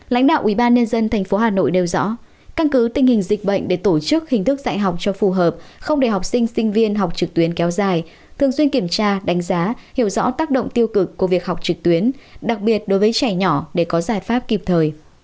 lãnh đạo ubnd tp hà nội nêu rõ căn cứ tình hình dịch bệnh để tổ chức hình thức dạy học cho phù hợp không để học sinh sinh viên học trực tuyến kéo dài thường xuyên kiểm tra đánh giá hiểu rõ tác động tiêu cực của việc học trực tuyến đặc biệt đối với trẻ nhỏ để có giải pháp kịp thời